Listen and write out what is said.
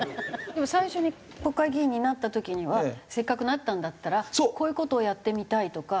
でも最初に国会議員になった時にはせっかくなったんだったらこういう事をやってみたいとか。